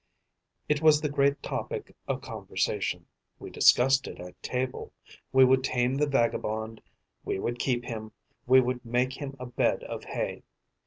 It was the great topic of conversation. We discussed it at table: we would tame the vagabond, we would keep him, we would make him a bed of hay.